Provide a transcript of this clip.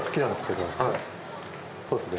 そうっすね。